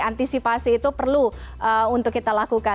antisipasi itu perlu untuk kita lakukan